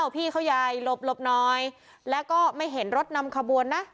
พี่เขาใหญ่หลบหน่อยแล้วก็ไม่เห็นรถนำขบวนนะ